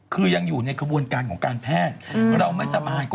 คือยังอยู่ในกระบวนการของการแพทย์